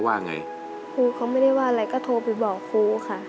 ว่าไงครูเขาไม่ได้ว่าอะไรก็โทรไปบอกครูค่ะ